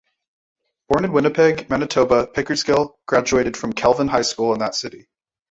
Born in Winnipeg, Manitoba, Pickersgill graduated from Kelvin High School in that city.